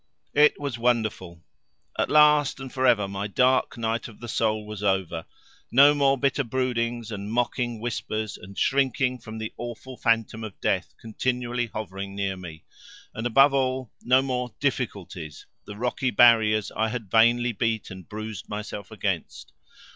It was wonderful. At last and for ever my Dark Night of the Soul was over; no more bitter broodings and mocking whispers and shrinking from the awful phantom of death continually hovering near me; and, above all, no more "difficulties" the rocky barriers I had vainly beat and bruised myself against.